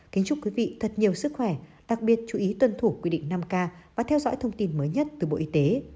kính chúc quý vị thật nhiều sức khỏe đặc biệt chú ý tuân thủ quy định năm k và theo dõi thông tin mới nhất từ bộ y tế